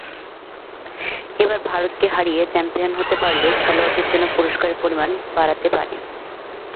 এবার ভারতকে হারিয়ে চ্যাম্পিয়ন হতে পারলে খেলোয়াড়দের জন্য পুরস্কারের পরিমাণ বাড়তে পারে।